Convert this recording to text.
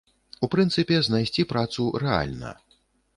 У прынцыпе, знайсці працу рэальна.